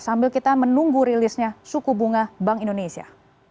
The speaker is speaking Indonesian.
sambil kita menunggu rilisnya suku bunga bank indonesia